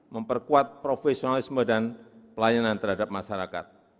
memperkuat profesionalisme dan pelayanan terhadap masyarakat